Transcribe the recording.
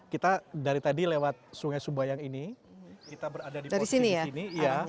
kita dari tadi lewat sungai subayang ini kita berada di posisi di sini